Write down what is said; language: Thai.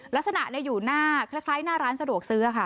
ลักษณะอยู่หน้าคล้ายหน้าร้านสะดวกซื้อค่ะ